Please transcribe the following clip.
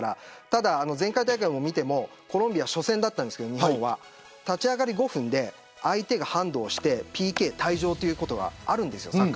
ただ、前回大会はコロンビア初戦だったんですが日本は立ち上がり５分で相手がハンドをしてＰＫで退場ということがありました。